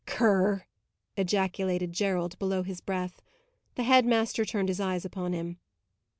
"Cur!" ejaculated Gerald, below his breath. The head master turned his eyes upon him.